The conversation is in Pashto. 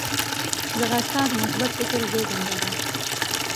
ځغاسته د مثبت فکر زیږنده ده